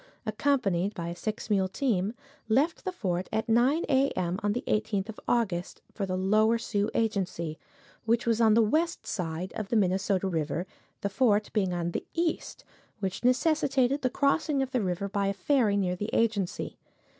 accompanied by a six mule team, left the fort at 9:00 a. m., on the 18th of August, for the Lower Sioux Agency, which was on the west side of the Minnesota river, the fort being on the east, which necessitated the crossing of the river by a ferry near the agency.